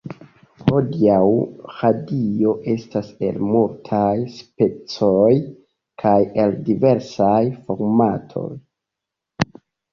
Hodiaŭ, radio estas el multaj specoj, kaj el diversaj formatoj.